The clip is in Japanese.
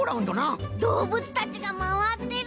どうぶつたちがまわってる！